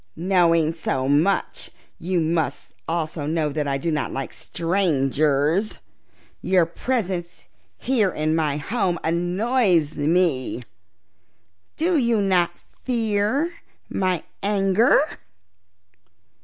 "Knowing so much, you must also know that I do not like strangers. Your presence here in my home annoys me. Do you not fear my anger?"